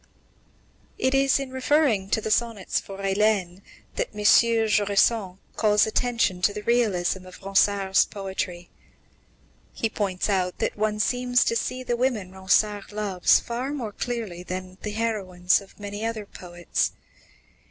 It is in referring to the sonnets for Hélène that M. Jusserand calls attention to the realism of Ronsard's poetry. He points out that one seems to see the women Ronsard loves far more clearly than the heroines of many other poets.